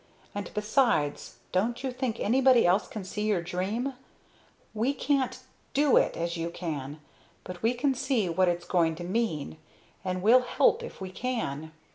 And besides, don't you think anybody else can see your dream? We can't do it as you can, but we can see what it's going to mean, and we'll help if we can.